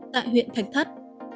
tại huyện thạch thất